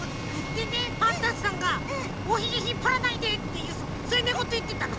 でねパンタンさんが「おひげひっぱらないで」ってそういうねごといってたの。